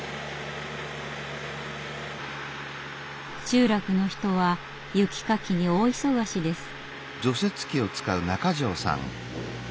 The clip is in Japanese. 集落の人は雪かきに大忙しです。